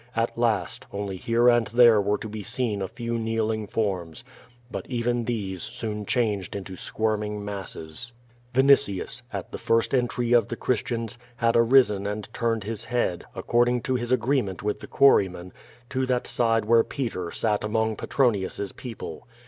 At last, only here and there were to be seen a few kneeling forms. But even these soon changed into squirm ing masses. Vinitius, at the first entry of the Christians, had arisen and turned his head, according to his agreement with the quarryman, to that side wliere Peter sat among Petronius's people.